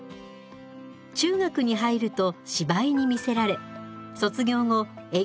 中学に入ると芝居に魅せられ卒業後演劇サークルを結成。